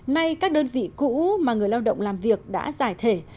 nay các đơn vị cũ mà người lao động làm việc đã giải thể